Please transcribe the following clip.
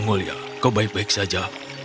tuhan kau baik baik saja